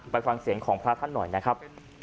ไปฟังเสียงของพระท่านหน่อยนะครับ